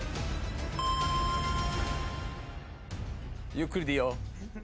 ゆっくりでいいよ。